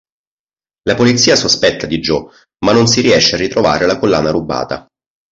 La polizia sospetta di Joe ma non si riesce a ritrovare la collana rubata.